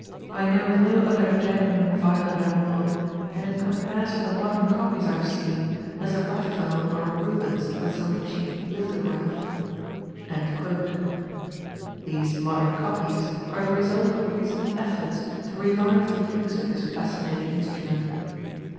I know of no other genuine viola d'amore, and it compares with the modern copies I have seen as a Raphael or a Rubens with some cheap lithograph." These modern copies are the result of recent efforts to revive the use of this fascinating instrument.